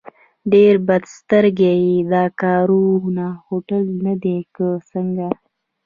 ډېر بد سترګی یې، دا کاوور هوټل نه دی که څنګه؟